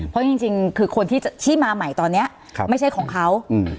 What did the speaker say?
เพราะจริงคือคนที่มาใหม่ตอนนี้ไม่ใช่ของเขา